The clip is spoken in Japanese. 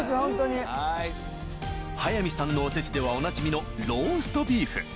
速水さんのおせちではおなじみのローストビーフ